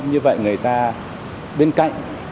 như vậy người ta bên cạnh